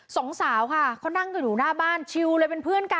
สองสาวค่ะเขานั่งกันอยู่หน้าบ้านชิวเลยเป็นเพื่อนกัน